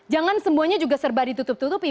jangan semuanya juga serba ditutup tutupi